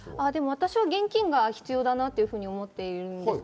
私は現金が必要だなと思っています。